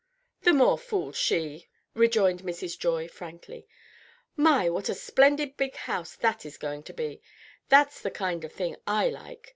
"The more fool she!" rejoined Mrs. Joy, frankly. "My! what a splendid big house that is going to be! That's the kind of thing I like."